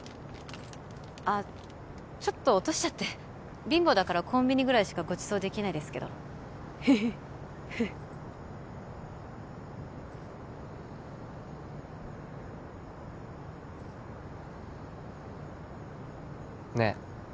あっちょっと落としちゃって貧乏だからコンビニぐらいしかごちそうできないですけどヘヘッねえ